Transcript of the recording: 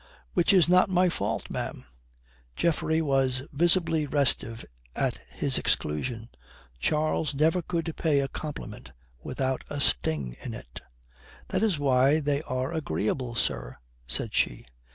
"Which is not my fault, ma'am." Geoffrey was visibly restive at his exclusion, "Charles never could pay a compliment without a sting in it." "That is why they are agreeable, sir," said she.